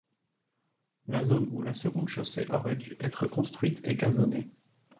La zone où la seconde chaussée aurait dû être construite est gazonnée.